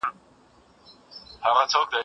دا سیر له هغه ښه دی.